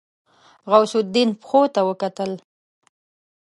غوث الدين پښو ته وکتل.